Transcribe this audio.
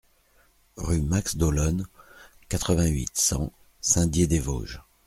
Rue Max D'Ollone, quatre-vingt-huit, cent Saint-Dié-des-Vosges